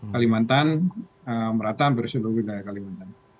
kalimantan merata hampir seluruh wilayah kalimantan